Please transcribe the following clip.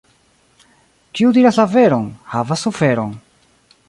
Kiu diras la veron, havas suferon.